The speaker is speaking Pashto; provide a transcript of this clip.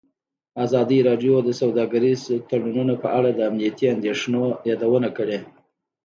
ازادي راډیو د سوداګریز تړونونه په اړه د امنیتي اندېښنو یادونه کړې.